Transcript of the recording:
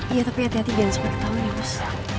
iya tapi hati hati jangan seperti tau ya bos